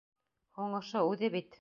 Һуң ошо үҙе бит.